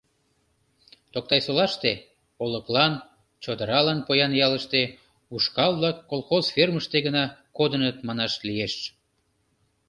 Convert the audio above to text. Токтай-Солаште — олыклан, чодралан поян ялыште — ушкал-влак колхоз фермыште гына кодыныт манаш лиеш.